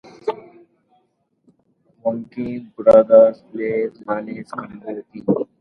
Upright bass player Marshall Lytle commented on his playing on this recording.